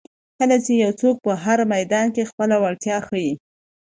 کله چې یو څوک په هر میدان کې خپله وړتیا ښایي.